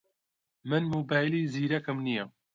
من مۆبایلی زیرەکم نییە.